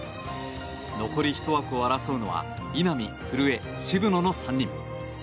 残り１枠を争うのは稲見、古江、渋野の３人。